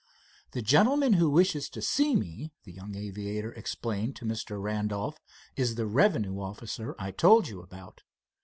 "The gentleman who wishes to see me," the young aviator explained to Mr. Randolph, "is the revenue officer I told you about."